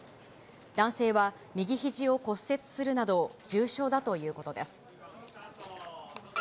男性は右ひじを骨折するなど重傷だということです。